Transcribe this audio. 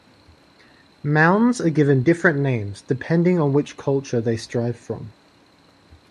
Mounds are given different names depending on which culture they strive from.